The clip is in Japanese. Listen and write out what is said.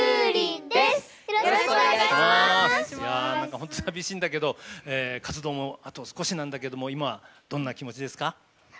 本当に寂しいんだけど活動もあと少しなんだけども今どんな気持ちですか？